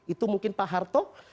itu mungkin pak harto